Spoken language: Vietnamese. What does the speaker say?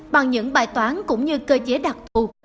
bằng những bài toán cũng như cơ chế đặc thù